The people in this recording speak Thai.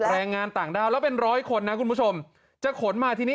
แรงงานต่างด้าวแล้วเป็นร้อยคนนะคุณผู้ชมจะขนมาทีนี้